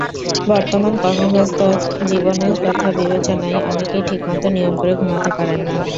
বর্তমান কর্মব্যস্ত জীবনের কথা বিবেচনায় অনেকেই ঠিকমতো নিয়ম করে ঘুমাতে পারেন না।